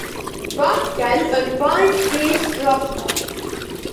Bachgen yn baent bys drosto.